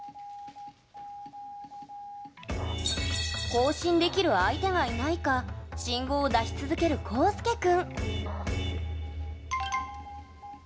交信できる相手がいないか信号を出し続けるコウスケ君。